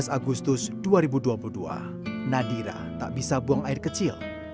enam belas agustus dua ribu dua puluh dua nadira tak bisa buang air kecil